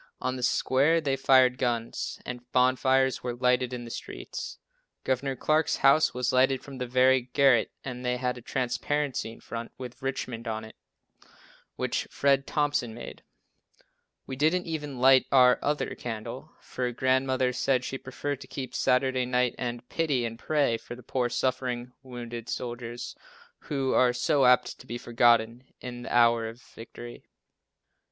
On the square they fired guns, and bonfires were lighted in the streets. Gov. Clark's house was lighted from the very garret and they had a transparency in front, with "Richmond" on it, which Fred Thompson made. We didn't even light "our other candle," for Grandmother said she preferred to keep Saturday night and pity and pray for the poor suffering, wounded soldiers, who are so apt to be forgotten in the hour of victory.